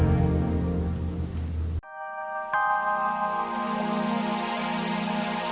aku akan mencari